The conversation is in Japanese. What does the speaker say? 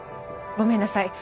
ごめんなさい。